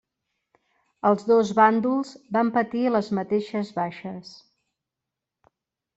Els dos bàndols van patir les mateixes baixes.